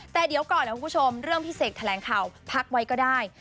แต่เดี๋ยวก่อนนะคุณผู้ชมเรื่องพี่เสกแถลงข่าวพักไว้ก็ได้